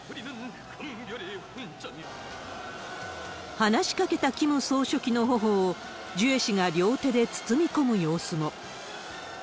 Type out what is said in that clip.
話しかけたキム総書記のほほを、ジュエ氏が両手で包み込む様子も。